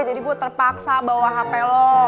jadi gue terpaksa bawa hp lu